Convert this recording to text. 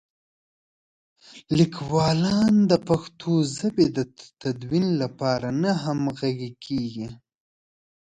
لیکوالان د پښتو ژبې د تدوین لپاره نه همغږي کېږي.